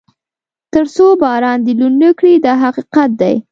تر څو باران دې لوند نه کړي دا حقیقت دی.